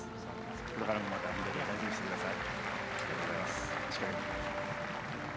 これからもまた緑を大事にしてください。